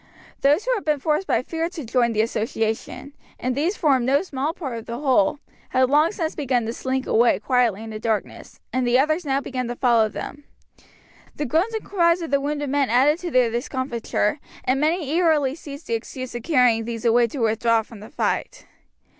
Those who had been forced by fear to join the association and these formed no small part of the whole had long since begun to slink away quietly in the darkness, and the others now began to follow them. The groans and cries of the wounded men added to their discomfiture, and many eagerly seized the excuse of carrying these away to withdraw from the fight.